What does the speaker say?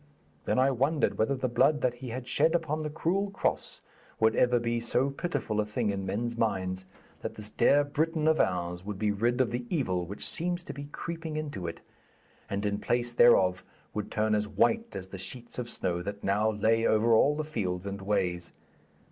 Then I wondered whether the blood that He had shed upon the cruel Cross would ever be so pitiful a thing in men's minds that this dear Britain of ours would be rid of the evil which seems to be creeping into it, and in place thereof would turn as white as the sheets of snow that now lay over all the fields and ways.